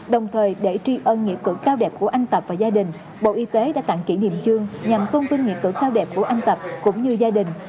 đồng thời để truy ơn nghĩa cử cao đẹp của anh tập và gia đình bộ y tế đã tặng kỷ niệm chương nhằm thông tin nghĩa cử cao đẹp của anh tập cũng như gia đình